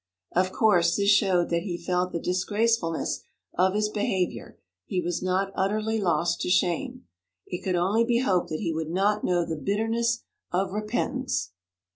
Of course, this showed that he felt the disgracefulness of his behaviour; he was not utterly lost to shame. It could only be hoped that he would not know the bitterness of repentance.